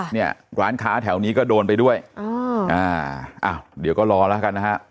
เนี่ยร้านค้าแถวนี้ก็โดนไปด้วยอ่าอ้าวเดี๋ยวก็รอแล้วกันนะฮะ